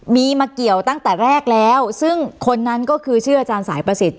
มีมาเกี่ยวตั้งแต่แรกแล้วซึ่งคนนั้นก็คือชื่ออาจารย์สายประสิทธิ